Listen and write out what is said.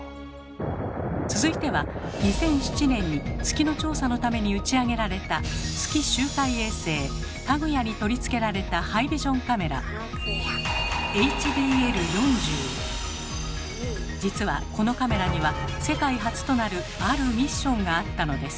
続いては２００７年に月の調査のために打ち上げられた「月周回衛星かぐや」に取り付けられたハイビジョンカメラ実はこのカメラには世界初となるあるミッションがあったのです。